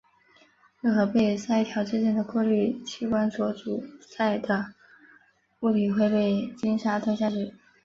任何被鳃条之间的过滤器官所阻塞的物体会被鲸鲨吞下去。